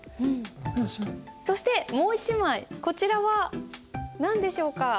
そしてもう一枚こちらは何でしょうか？